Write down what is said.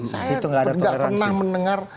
saya tidak pernah mendengar